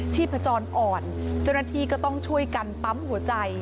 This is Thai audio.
พจรอ่อนเจ้าหน้าที่ก็ต้องช่วยกันปั๊มหัวใจ